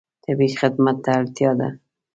طبیعي خدمت ته اړتیا ده.